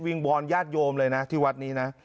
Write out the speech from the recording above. วอนญาติโยมเลยนะที่วัดนี้นะ